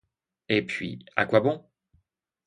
Et puis, à quoi bon?